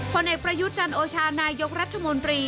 คนเอกประยุจรรย์โชนายกรัฐมนตรี